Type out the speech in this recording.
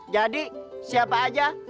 jadi siapa aja